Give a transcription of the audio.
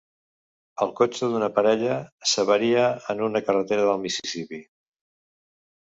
El cotxe d'una parella s'avaria en una carretera del Mississipí.